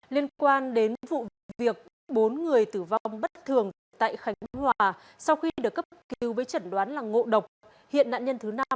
liên quan đến vụ việc bốn người tử vong bất thường tại khánh hòa sau khi được cấp cứu với chẩn đoán là ngộ độc hiện nạn nhân thứ năm